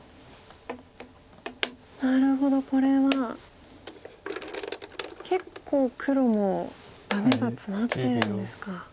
なるほどこれは結構黒もダメがツマってるんですか。